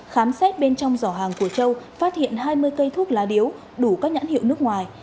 khám xét bên trong giỏ hàng của châu phát hiện hai mươi cây thuốc lá điếu đủ các nhãn hiệu nước ngoài